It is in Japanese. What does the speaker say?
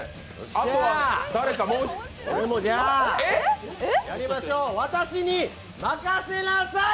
あとは誰かもう一人やりましょう、私に任せなさい！